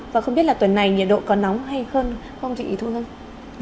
và không biết là tuần này nhiệt độ có nóng hay hơn không chị thu ninh